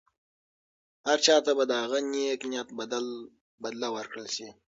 هر چا ته به د هغه د نېک نیت بدله ورکړل شي.